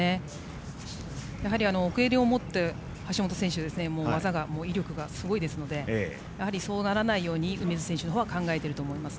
やはり、奥襟を持つと橋本選手は技の威力がすごいですのでそうならないように梅津選手は考えていると思います。